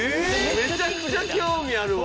めちゃくちゃ興味あるわ。